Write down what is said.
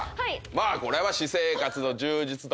まあこれは私生活の充実度